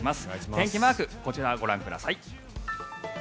天気マークこちらご覧ください。